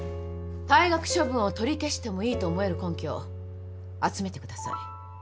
退学処分を取り消してもいいと思える根拠を集めてください。